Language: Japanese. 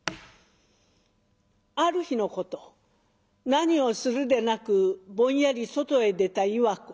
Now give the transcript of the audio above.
ある日のこと何をするでなくぼんやり外へ出た岩子。